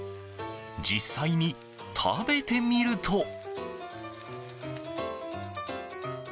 実際に食べてみると。